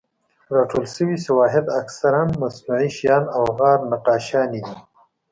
راټول شوي شواهد اکثراً مصنوعي شیان او غار نقاشیانې دي.